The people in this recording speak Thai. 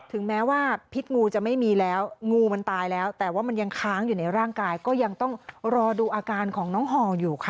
ถึงแม้ว่าพิษงูจะไม่มีแล้วงูมันตายแล้วแต่ว่ามันยังค้างอยู่ในร่างกายก็ยังต้องรอดูอาการของน้องห่ออยู่ค่ะ